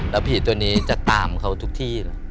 แล้วผีตัวนี้จะตามเขาทุกที่แหละ